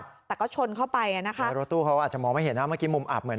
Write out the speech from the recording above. แต่ก็ชนเข้าไปอ่ะนะคะแล้วรถตู้เขาอาจจะมองไม่เห็นนะเมื่อกี้มุมอับเหมือน